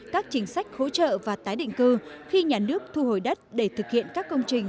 các chính sách hỗ trợ và tái định cư khi nhà nước thu hồi đất để thực hiện các công trình